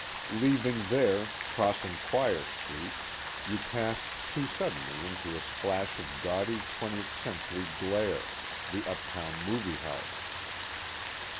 Leaving there, crossing Quire Street, you passed too suddenly into a splash of gaudy twentieth century glare, the uptown movie house.